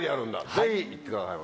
ぜひ行ってくださいませ。